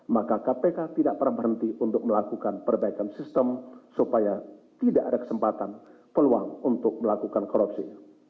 maka kpk tidak pernah berhenti untuk melakukan perbaikan sistem supaya tidak ada kesempatan peluang untuk melakukan korupsi